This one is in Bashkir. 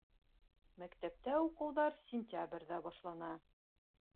Мәктәптә уҡыуҙар сентябрҙә башлана